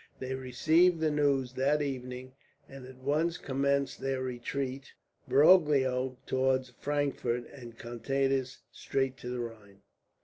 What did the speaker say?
They received the news that evening, and at once commenced their retreat, Broglio towards Frankfort and Contades straight for the Rhine.